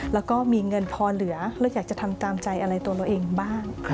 แล้วก็มีเงินพอเหลือแล้วอยากจะทำตามใจอะไรตัวเราเองบ้าง